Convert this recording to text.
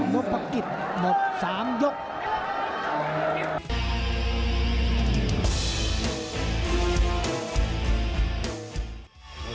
นพกิษหมด๓ยก